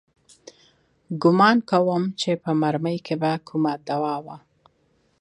ګومان کوم چې په مرمۍ کښې به کومه دوا وه.